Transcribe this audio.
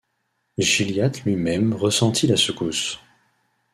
Gilliatt lui-même ressentit la secousse.